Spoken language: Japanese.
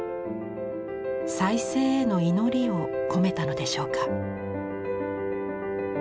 再生への祈りを込めたのでしょうか。